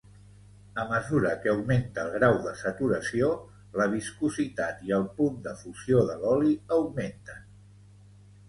A mesura que augmenta el grau de saturació, la viscositat i el punt de fusió de l'oli augmenten.